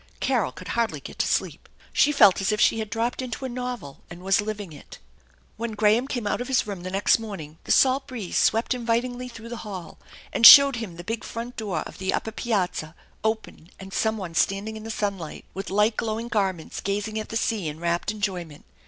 Carol could hardly get to sleep. She felt as if she had dropped into a novel and was living it. When Graham came out of his room the next morning the salt breeze swept invitingly through the hall and showed THE ENCHANTED BARN him the big front door of the upper piazza open and some one standing in the sunlight, with light, glowing garments, gazing at the sea in rapt enjoyment.